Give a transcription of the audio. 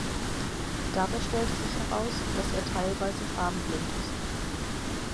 Dabei stellte sich heraus, dass er teilweise farbenblind ist.